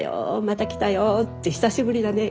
「また来たよ」って「久しぶりだね」